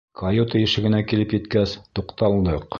Каюта ишегенә килеп еткәс, туҡталдыҡ.